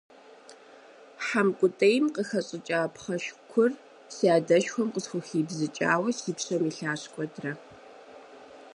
Хьэмкӏутӏейм къыхэщӏыкӏа пхъэшкур си адэшхуэм къысхухибзыкӏауэ си пщэм илъащ куэдрэ.